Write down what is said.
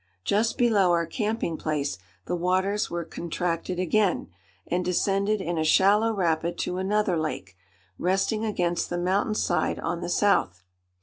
Just below our camping place the waters were contracted again, and descended in a shallow rapid to another lake, resting against the mountain side on the south.